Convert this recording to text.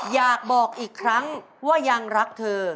อยากบอกอีกครั้งว่ายังรักเธอ